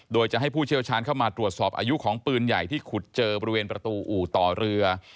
โดยจะให้ผู้เชี่ยวชาญเข้ามาตรวจสอบอายุของปืนใหญ่ที่ขุดเจอบริเวณประตูอู่ต่อเรือ